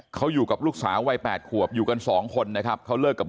เขาอยู่กับลูกสาววัย๘ขวบอยู่กันสองคนนะครับเขาเลิกกับ